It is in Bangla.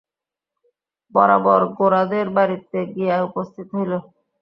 বরাবর গোরাদের বাড়িতে গিয়া উপস্থিত হইল।